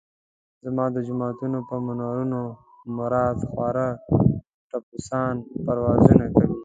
زما د جوماتونو پر منارونو مردار خواره ټپوسان پروازونه کوي.